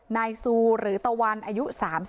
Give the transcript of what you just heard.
นายซูหรือตะวันอายุ๓๒